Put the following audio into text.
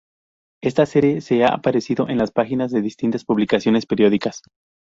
Esta serie ha aparecido en las páginas de distintas publicaciones periódicas.